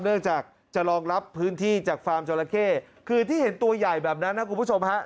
เนื่องจากจะรองรับพื้นที่จากฟาร์มจราเข้คือที่เห็นตัวใหญ่แบบนั้นนะคุณผู้ชมฮะ